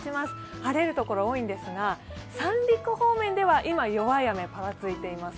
晴れる所が多いんですが、三陸方面では今、弱い雨がぱらついています。